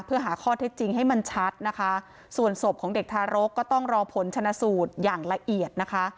เพื่อหาข้อเท็จจริงให้มันชัดนะคะส่วนศพของเด็กทารกก็ต้องรอผลชนะสูตรอย่างละเอียดนะคะ